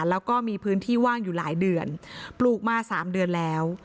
แล้วก็มีพื้นที่ว่างอยู่หลายเดือนปลูกมา๓เดือนแล้ว